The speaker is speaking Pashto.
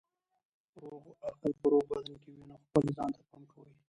روغ عقل په روغ بدن کې وي نو خپل ځان ته پام کوئ.